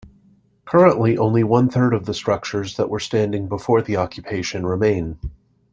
Currently, only one third of the structures that were standing before the occupation remain.